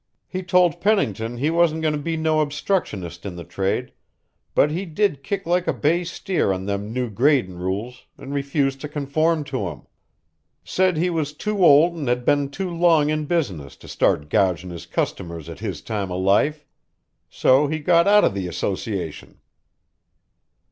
He told Pennington he wasn't goin' to be no obstructionist in the trade, but he did kick like a bay steer on them new gradin' rules an' refused to conform to 'em. Said he was too old an' had been too long in business to start gougin' his customers at his time o' life. So he got out o' the association."